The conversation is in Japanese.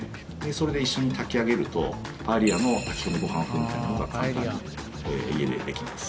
それで一緒に炊き上げるとパエリアの炊き込みご飯風みたいなものが簡単に家でできます。